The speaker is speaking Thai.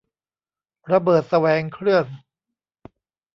ระเบิดแสวงเครื่อง